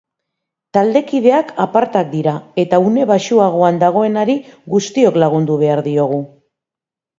Taldekideak apartak dira, eta une baxuagoan dagoenari guztiok lagundu behar diogu.